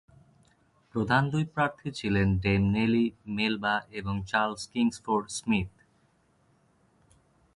প্রধান দুই প্রার্থী ছিলেন ডেম নেলি মেলবা এবং চার্লস কিংসফোর্ড স্মিথ।